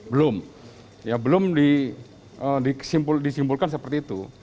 belum belum disimpulkan seperti itu